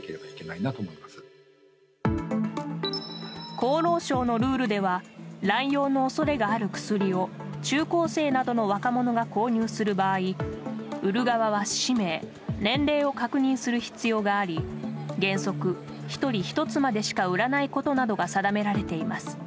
厚労省のルールでは乱用の恐れがある薬を中高生などの若者が購入する場合売る側は氏名、年齢を確認する必要があり原則１人１つまでしか売らないことなどが定められています。